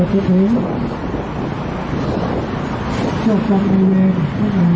ที่เกี่ยวข้างหนึ่งที่เกี่ยวข้างหนึ่ง